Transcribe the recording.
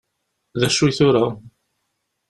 D acu i tura?